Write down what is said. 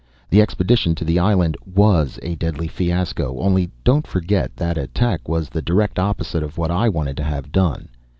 The expedition to the island was a deadly fiasco only don't forget that attack was the direct opposite of what I wanted to have done.